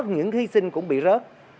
những thí sinh cũng bị rớt